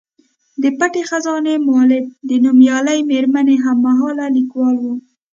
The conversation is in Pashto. د پټې خزانې مولف د نومیالۍ میرمنې هم مهاله لیکوال و.